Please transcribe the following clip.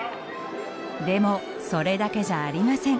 でもそれだけじゃありません。